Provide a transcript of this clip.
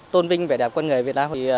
tôn vinh vẻ đẹp con người việt nam